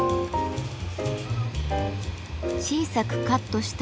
小さくカットした